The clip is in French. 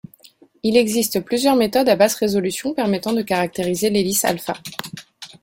Il existe plusieurs méthodes à basse-résolution permettant de caractériser l'hélice α.